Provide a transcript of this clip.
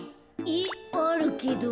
えっあるけど。